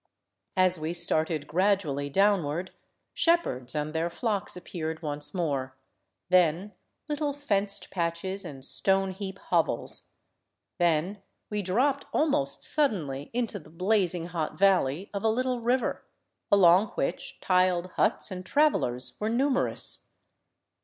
I As we started gradually downward, shepherds and their flocks ap I peared once more, then little fenced patches and stone heap hovels ;\ then we dropped almost suddenly into the blazing hot valley of a little ! river, along which tiled huts and travelers were numerous.